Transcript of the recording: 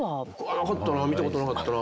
なかったな見たことなかったな。